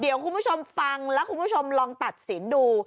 เดี๋ยวคุณผู้ชมฟังแล้วคุณผู้ชมลองตัดสินดู